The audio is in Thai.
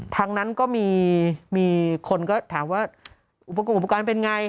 ทางนั้นก็มีคนก็ถามว่าอุปกอุปกรณ์เป็นไง